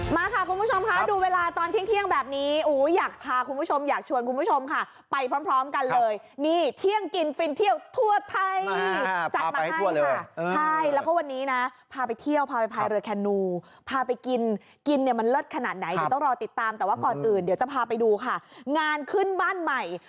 มาค่ะคุณผู้ชมค่ะดูเวลาตอนเที่ยงแบบนี้อู๋อยากพาคุณผู้ชมอยากชวนคุณผู้ชมค่ะไปพร้อมกันเลยนี่เที่ยงกินฟินเที่ยวทั่วไทยจัดมาให้ค่ะใช่แล้วก็วันนี้นะพาไปเที่ยวพาไปพายเรือแคนูพาไปกินกินเนี่ยมันเลิศขนาดไหนเดี๋ยวต้องรอติดตามแต่ว่าก่อนอื่นเดี๋ยวจะพาไปดูค่ะงานขึ้นบ้านใหม่